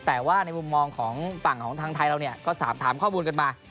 แต่ว่าในมุมมองของฝั่งของทางไทยเราเนี่ยก็สอบถามข้อมูลกันมา